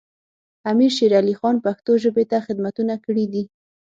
امیر شیر علی خان پښتو ژبې ته خدمتونه کړي دي.